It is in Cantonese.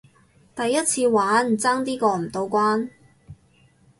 第一次玩，爭啲過唔到關